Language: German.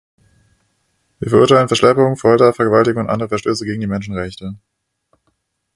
Wir verurteilen Verschleppungen, Folter, Vergewaltigung und andere Verstöße gegen die Menschenrechte.